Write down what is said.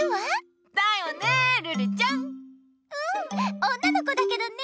うん女の子だけどね。